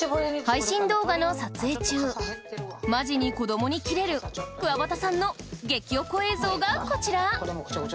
配信動画の撮影中マジに子どもにキレるくわばたさんの激オコ映像がこちら！